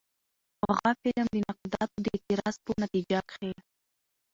په غه فلم د نقادانو د اعتراض په نتيجه کښې